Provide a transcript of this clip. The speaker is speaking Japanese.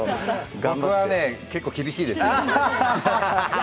僕はねー、結構厳しいですよ